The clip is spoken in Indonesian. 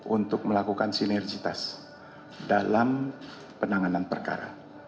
untuk melakukan sinergitas dalam penanganan perkara